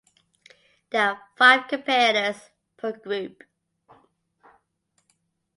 There are five competitors per group.